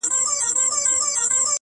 څومره ښکلې دي کږه توره مشوکه-